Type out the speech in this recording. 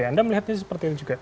anda melihatnya seperti itu juga